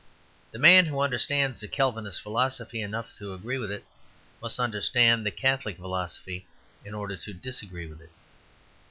The man who understands the Calvinist philosophy enough to agree with it must understand the Catholic philosophy in order to disagree with it.